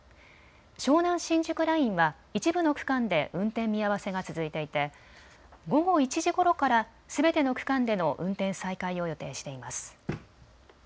湘南新宿ラインは一部の区間で運転見合わせが続いていて午後１時ごろからすべての区間での運転再開を予定しています。